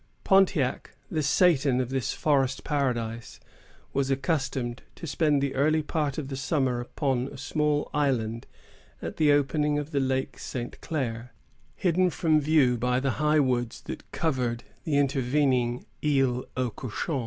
Pontiac, the Satan of this forest paradise, was accustomed to spend the early part of the summer upon a small island at the opening of the Lake St. Clair, hidden from view by the high woods that covered the intervening Isle au Cochon.